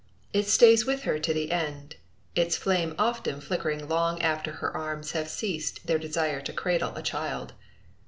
It stays with her to the end, its flame often flickering long after her arms have ceased their desire to cradle a child.